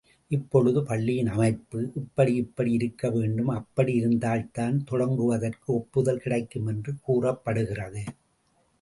இப்பொழுது பள்ளியின் அமைப்பு, இப்படி இப்படி இருக்க வேண்டும் அப்படி இருந்தால்தான் தொடங்குவதற்கு ஒப்புதல் கிடைக்கும் என்று கூறப்படுகிறது.